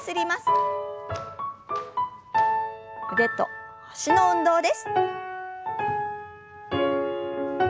腕と脚の運動です。